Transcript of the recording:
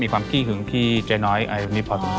มีความขี้หึงที่ใจยังไงนี้พอถึงโทน